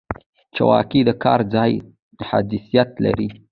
چوکۍ د کار ځای حیثیت لري.